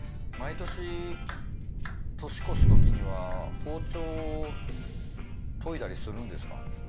毎年年越すときには包丁を研いだりするんですか？